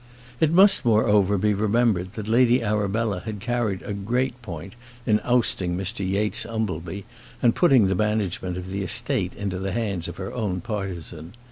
It must, moreover, be remembered, that Lady Arabella had carried a great point in ousting Mr Yates Umbleby and putting the management of the estate into the hands of her own partisan.